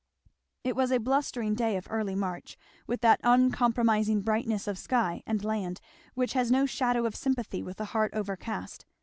It was a blustering day of early March; with that uncompromising brightness of sky and land which has no shadow of sympathy with a heart overcast.